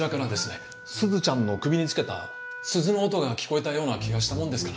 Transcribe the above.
すずちゃんの首につけた鈴の音が聞こえたような気がしたもんですから。